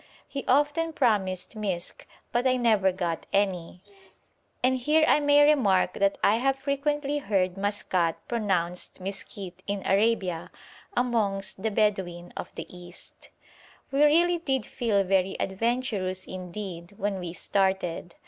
He often promised misk, but I never got any; and here I may remark that I have frequently heard Maskàt pronounced Mìskit in Arabia amongst the Bedouin of the East. We really did feel very adventurous indeed when we started.